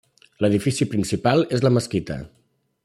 L'edifici principal és la mesquita.